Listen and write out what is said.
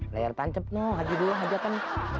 lihat tancep noh aja dulu aja kan